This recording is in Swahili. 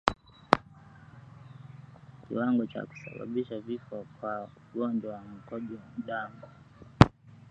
Kiwango cha kusababisha vifo kwa ugonjwa wa mkojo damu